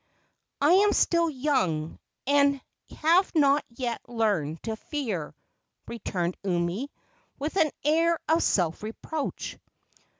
"I am still young and have not yet learned to fear," returned Umi, with an air of self reproach.